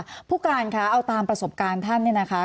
ผู้การคะเอาตามประสบการณ์ท่านเนี่ยนะคะ